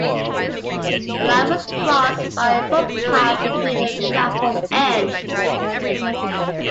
The line was crossed by a footpath between the platform ends.